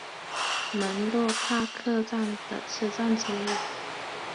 门洛帕克站的车站之一。